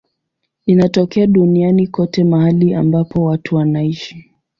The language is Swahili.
Inatokea duniani kote mahali ambapo watu wanaishi.